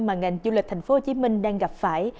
mà ngành du lịch tp hcm đang gặp phải